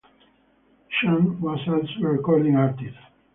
Shand was also a recording artist.